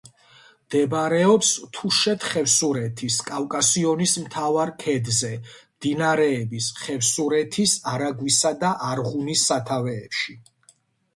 მდებარეობს თუშეთ-ხევსურეთის კავკასიონის მთავარ ქედზე, მდინარეების ხევსურეთის არაგვისა და არღუნის სათავეებში.